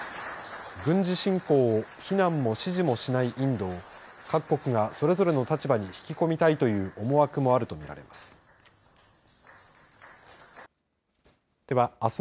軍事侵攻を非難も支持もしないインドは各国が、それぞれの立場に引き込みたいという思惑もあるとみられます。